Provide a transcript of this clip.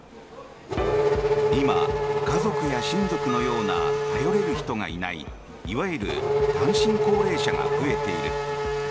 今、家族や親族のような頼れる人がいないいわゆる単身高齢者が増えている。